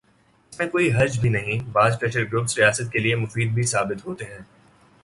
اس میں کوئی حرج بھی نہیں، بعض پریشر گروپس ریاست کے لئے مفید بھی ثابت ہوتے ہیں۔